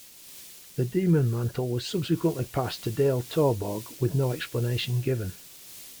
The Demon mantle was subsequently passed to Dale Torborg with no explanation given.